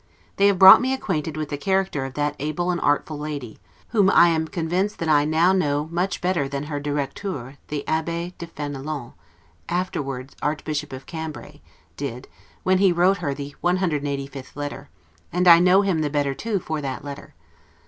They have brought me acquainted with the character of that able and artful lady; whom I am convinced that I now know much better than her directeur the Abby de Fenelon (afterward Archbishop of Cambray) did, when he wrote her the 185th letter; and I know him the better too for that letter.